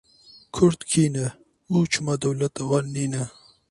Kurd kî ne, û çima dewleta wan nîne?